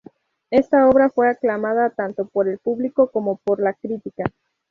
Esta obra fue aclamada tanto por el público como por la crítica.